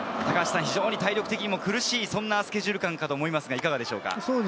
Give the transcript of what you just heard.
体力的にも苦しいスケジュール間かと思いますがいかがでしょうか？